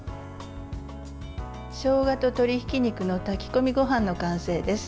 しょうがと鶏ひき肉の炊き込みご飯の完成です。